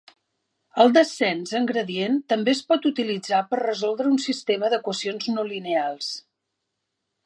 El descens en gradient també es pot utilitzar per resoldre un sistema d'equacions no lineals.